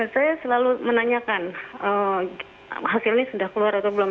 saya selalu menanyakan hasilnya sudah keluar atau belum